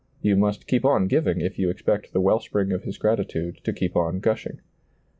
You must keep on giving if you expect the well spring of his gratitude to keep on gushing.